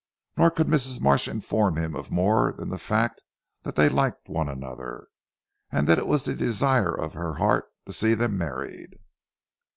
Nor could Mrs. Marsh inform him of more than the fact that they liked one another, and that it was the desire of her heart to see them married.